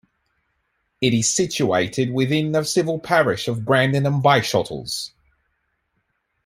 It is situated within the civil parish of Brandon and Byshottles.